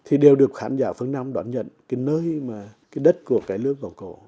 thì đều được khán giả phương nam đoán nhận cái nơi mà cái đất của cái nước võng cổ